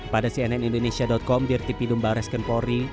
pada cnn indonesia com dirtipi dumbareskenpori